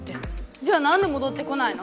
じゃあなんでもどってこないの？